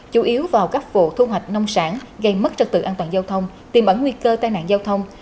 chủ yếu vào các vụ thu hoạch nông sản gây mất trật tự an toàn giao thông tiêm ẩn nguy cơ tai nạn giao thông